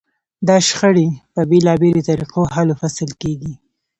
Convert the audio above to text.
دا شخړې په بېلابېلو طریقو حل و فصل کېږي.